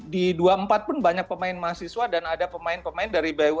di dua puluh empat pun banyak pemain mahasiswa dan ada pemain pemain dari bumn